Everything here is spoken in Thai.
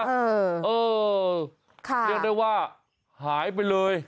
เรียกได้ว่าหายไปเลย